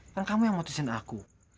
kan kamu yang motusin aku